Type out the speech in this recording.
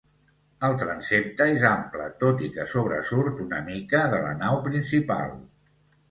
El transsepte és ample tot i que sobresurt una mica de la nau principal.